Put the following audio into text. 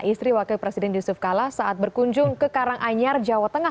istri wakil presiden yusuf kala saat berkunjung ke karanganyar jawa tengah